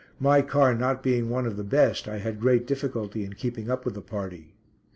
My car not being one of the best, I had great difficulty in keeping up with the party.